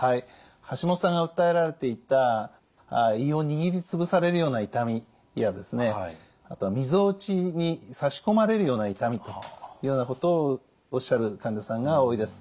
ハシモトさんが訴えられていた胃を握りつぶされるような痛みやあとはみぞおちに差し込まれるような痛みというようなことをおっしゃる患者さんが多いです。